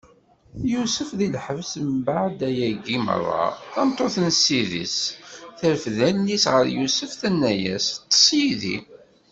Yusef di lḥebs Mbeɛd ayagi meṛṛa, tameṭṭut n ssid-is terfed allen-is ɣer Yusef, tenna-yas: Ṭṭeṣ yid-i!